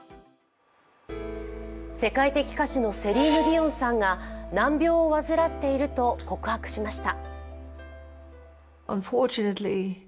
世界的歌手のセリーヌ・ディオンさんが難病を患っていると告白しました。